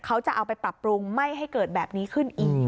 เขาจะเอาไปปรับปรุงไม่ให้เกิดแบบนี้ขึ้นอีก